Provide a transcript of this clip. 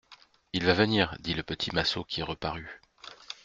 Il va venir, dit le petit Massot qui reparut.